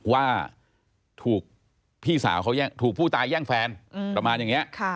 ว่าถูกผู้ตายแย่งแฟนประมาณอย่างเนี้ย